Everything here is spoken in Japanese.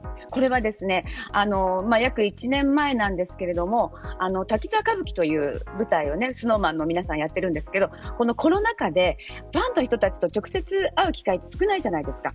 約１年前ですが滝沢歌舞伎という舞台をＳｎｏｗＭａｎの皆さんがやっているんですがコロナ禍でファンの人たちと直接会う機会が少ないじゃないですか。